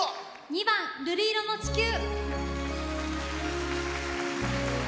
２番「瑠璃色の地球」。